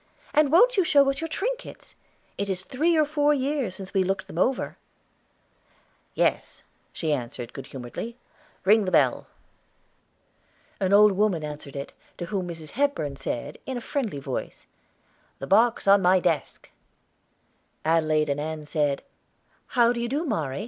"And wont you show us your trinkets? It is three or four years since we looked them over." "Yes," she answered, good humoredly; "ring the bell." An old woman answered it, to whom Mrs. Hepburn said, in a friendly voice, "The box in my desk." Adelaide and Ann said, "How do you do, Mari?"